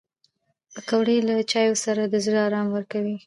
پکورې له چایو سره د زړه ارام ورکوي